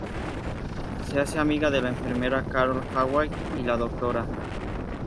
Se hace amiga de la enfermera Carol Hathaway y la Dra.